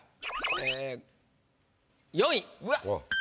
え４位。